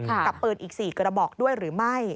กับปืนอีก๔กระบอกด้วยหรือไม่